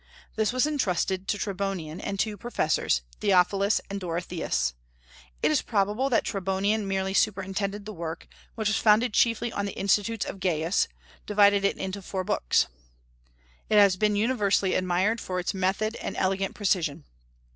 This was intrusted to Tribonian and two professors, Theophilus and Dorotheus. It is probable that Tribonian merely superintended the work, which was founded chiefly on the Institutes of Gaius, divided into four books. It has been universally admired for its method and elegant precision.